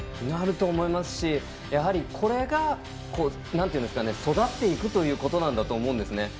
なると思いますしこれが育っていくということだと思うんですよね。